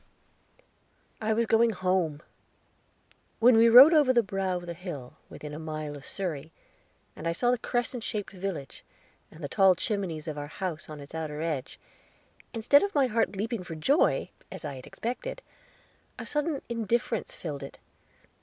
I was going home! When we rode over the brow of the hill within a mile of Surrey, and I saw the crescent shaped village, and the tall chimneys of our house on its outer edge, instead of my heart leaping for joy, as I had expected, a sudden indifference filled it.